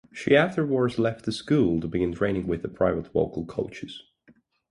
She afterwards left the school to begin training with private vocal coaches.